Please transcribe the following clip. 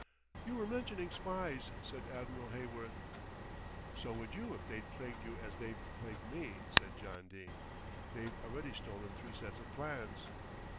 "You were mentioning spies," said Admiral Heyworth. "So would you if they'd plagued you as they've plagued me," said John Dene. "They've already stolen three sets of plans."